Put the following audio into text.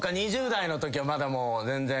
２０代のときはまだもう全然。